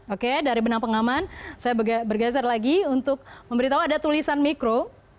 oke dari benang pengaman saya bergeser lagi untuk memberitahu ada tulisan mikro